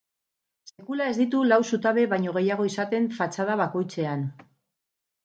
Sekula ez ditu lau zutabe baino gehiago izaten fatxada bakoitzean.